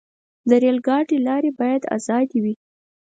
د ریل ګاډي لارې باید آزادې وي.